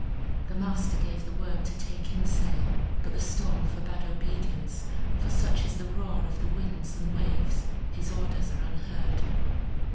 The master gave the word to take in sail, but the storm forbade obedience, for such is the roar of the winds and waves his orders are unheard.